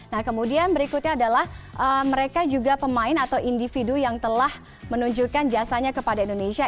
nah kemudian berikutnya adalah mereka juga pemain atau individu yang telah menunjukkan jasanya kepada indonesia